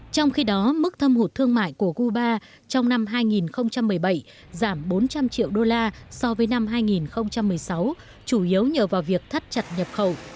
trong khi đó mức thâm hụt thương mại của cuba trong năm hai nghìn một mươi bảy giảm bốn trăm linh triệu đô la so với năm hai nghìn một mươi sáu chủ yếu nhờ vào việc thắt chặt nhập khẩu